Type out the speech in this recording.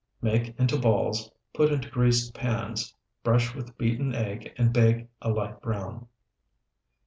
Make into balls, put into greased pans, brush with beaten egg, and bake a light brown.